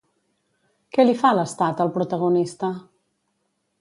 Què li fa l'Estat al protagonista?